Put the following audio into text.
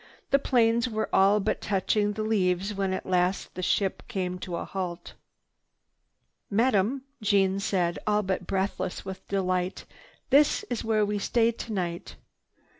The planes were all but touching the leaves when at last the ship came to a halt. "Madame," Jeanne said, all but breathless with delight, "this is where we stay tonight."